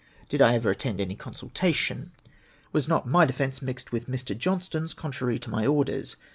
Did I ever attend any consultation ? Was not my defence mixed with jNIr. Johnstone's contrary to my orders